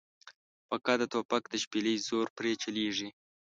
فقط د توپک د شپېلۍ زور پرې چلېږي.